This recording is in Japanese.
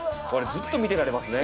これ、ずっと見てられますね。